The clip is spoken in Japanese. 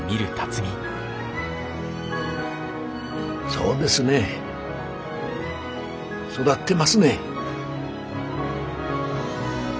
そうですね育ってますね。